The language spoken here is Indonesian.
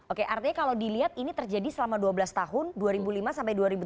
oke artinya kalau dilihat ini terjadi selama dua belas tahun dua ribu lima sampai dua ribu tujuh belas